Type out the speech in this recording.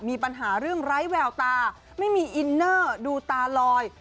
มีปัญหาเรื่องไร้แววตาไม่มีอินเนอร์ดูตาลอย